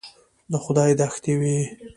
د خدای دښتې وې.